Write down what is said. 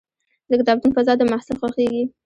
د کتابتون فضا د محصل خوښېږي.